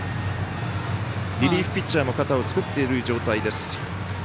リリーフピッチャーも肩を作っている状態です。